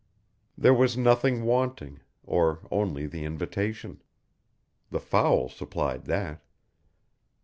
There was nothing wanting, or only the invitation. The fowl supplied that.